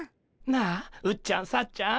なあうっちゃんさっちゃん